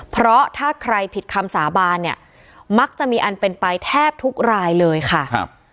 เพราะถ้าใครผิดคำสาบานเนี่ยมักจะมีอันเป็นไปแทบทุกรายเลยค่ะครับ